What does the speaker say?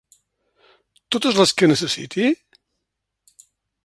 Totes les que necessiti?